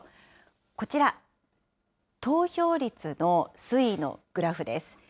こちら、投票率の推移のグラフです。